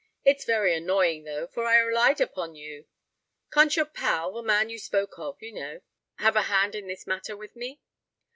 "It's very annoying, though; for I relied upon you. Can't your pal—the man that you spoke of, you know—have a hand in this matter with me?"